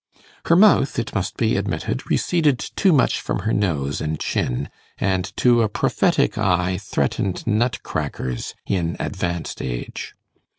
Her mouth it must be admitted, receded too much from her nose and chin and to a prophetic eye threatened 'nut crackers' in advanced age.